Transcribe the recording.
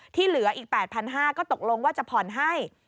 ที่เหลืออีก๘๕๐๐ก็ตกลงว่าจะผ่อนให้